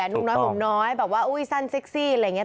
นุ่งน้อยผมน้อยแบบว่าอุ๊ยสั้นเซ็กซี่อะไรอย่างนี้